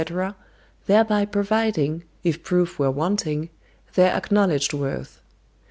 thereby proving, if proof were wanting, their acknowledged worth.